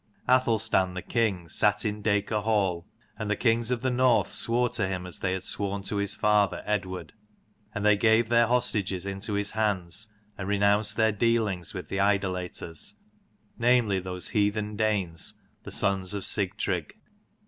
Athelstan the king sat in Dacor hall, and the kings of the north swore to him as they had sworn to his father Eadward: and they gave their hostages into his hands, and renounced their dealings with the idolaters, namely those heathen Danes, the sons of Sigtrygg.